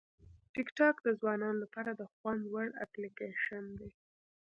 ټیکټاک د ځوانانو لپاره د خوند وړ اپلیکیشن دی.